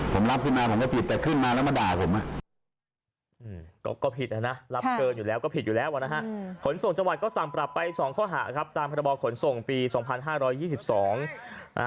ผมรับขึ้นมาผมก็ผิดแต่ขึ้นมาแล้วมาด่าผม